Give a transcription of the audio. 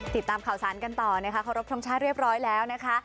ติดตามข่าวสารกันต่อนะคะเคารพทรงชาติเรียบร้อยแล้วนะคะ